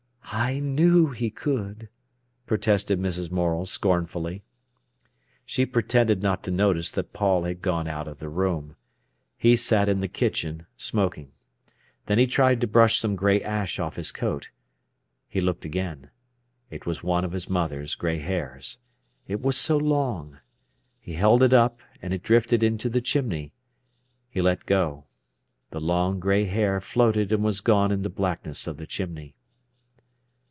"I knew he could," protested Mrs. Morel scornfully. She pretended not to notice that Paul had gone out of the room. He sat in the kitchen, smoking. Then he tried to brush some grey ash off his coat. He looked again. It was one of his mother's grey hairs. It was so long! He held it up, and it drifted into the chimney. He let go. The long grey hair floated and was gone in the blackness of the chimney.